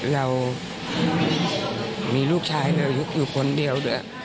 เรามีลูกชายแล้วอยู่คนเดียว